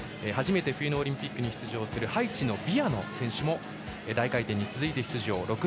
初めて冬のオリンピックに出場するハイチのビアノ選手も大回転に続いて出場。